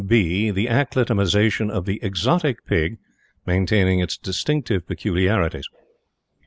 (b) The acclimatization of the exotic Pig, maintaining its distinctive peculiarities."